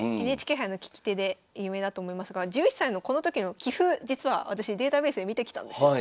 ＮＨＫ杯の聞き手で有名だと思いますが１１歳のこの時の棋譜実は私データベースで見てきたんですよ。